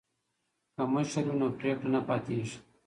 که مشر وي نو پریکړه نه پاتې کیږي.